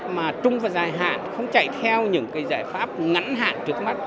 mà trung và dài hạn không chạy theo những cái giải pháp ngắn hạn trước mắt